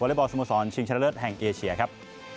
วอเลเบอร์สมสรรค์ชิงชนะเลิศแห่งเกเชียครับ